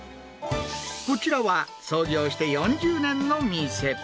こちらは、創業して４０年の店。